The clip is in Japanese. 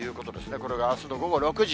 これがあすの午後６時。